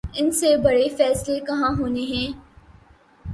ان سے بڑے فیصلے کہاں ہونے ہیں۔